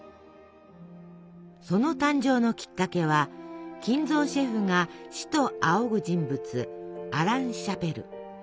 その誕生のきっかけは金藏シェフが師と仰ぐ人物アラン・シャペル。